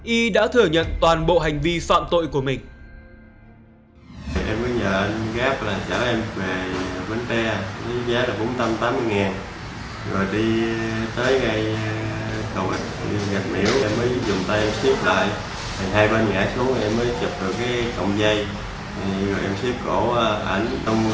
y đã thừa nhận toàn bộ hành vi phạm tội của mình